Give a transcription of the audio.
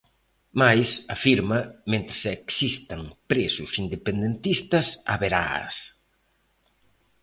Mais, afirma, mentres existan presos independentistas, haberaas.